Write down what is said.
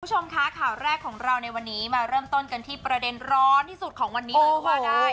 คุณผู้ชมคะข่าวแรกของเราในวันนี้มาเริ่มต้นกันที่ประเด็นร้อนที่สุดของวันนี้เลยก็ว่าได้